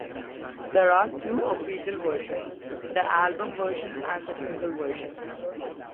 There are two official versions; the album version and the single version.